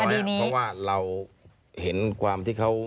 ครับผมเต็มร้อยเพราะว่าเราเห็นความที่เขา